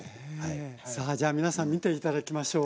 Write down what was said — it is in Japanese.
さあじゃあ皆さん見て頂きましょう。